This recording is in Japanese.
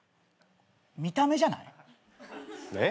見た目じゃない？えっ？